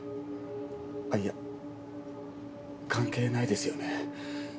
あっいや関係ないですよね。